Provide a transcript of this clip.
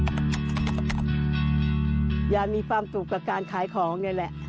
ยามีความสุขกับการขายของนี่แหละ